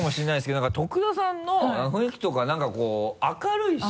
なんか徳田さんの雰囲気とかなんかこう明るいし。